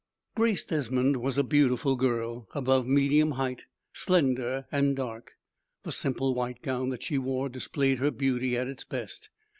Grace Desmond was a beautiful girl, above medium height, slender and dark. The simple white gown that she wore displayed her beauty at its best.